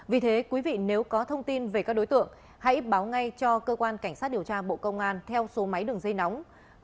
vì thế quý vị nếu có thông tin về các đối tượng hãy báo ngay cho cơ quan cảnh sát điều tra bộ công an theo số máy đường dây nóng sáu mươi chín hai trăm ba mươi bốn năm nghìn tám trăm sáu mươi